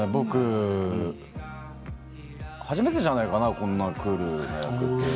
初めてじゃないかなこんなクールな役。